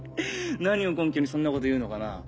何を根拠にそんなこと言うのかな？